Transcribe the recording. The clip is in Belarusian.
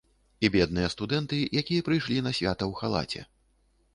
І бедныя студэнты, якія прыйшлі на свята ў халаце.